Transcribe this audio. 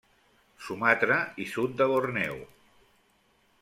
Sumatra i sud de Borneo.